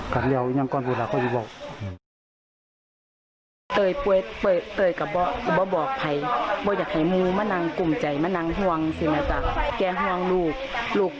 ขัดงูเรั้วเพื่อนก็ดูแลให้เขายูบอก